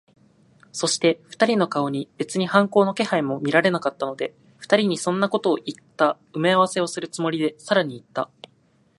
そして、二人の顔に別に反抗の気配も見られなかったので、二人にそんなことをいった埋合せをするつもりで、さらにいった。